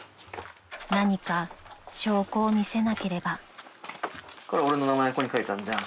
［何か証拠を見せなければ］